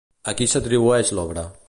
A qui s'atribueix l'obra?